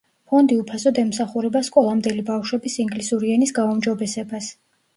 ფონდი უფასოდ ემსახურება სკოლამდელი ბავშვების ინგლისური ენის გაუმჯობესებას.